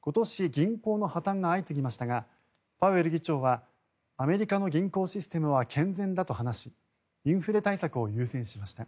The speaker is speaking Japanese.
今年、銀行の破たんが相次ぎましたがパウエル議長はアメリカの銀行システムは健全だと話しインフレ対策を優先しました。